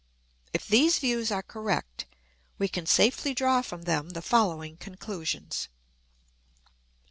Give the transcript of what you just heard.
If these views are correct, we can safely draw from them the following conclusions.